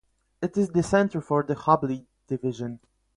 It is the centre for the Hubli Division.